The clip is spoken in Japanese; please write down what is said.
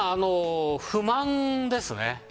不満ですね。